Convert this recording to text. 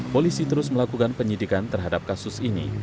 polisi terus melakukan penyidikan terhadap kasus ini